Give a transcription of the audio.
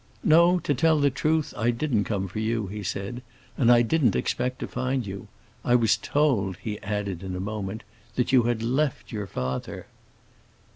"No, to tell the truth, I didn't come for you," he said, "and I didn't expect to find you. I was told," he added in a moment "that you had left your father."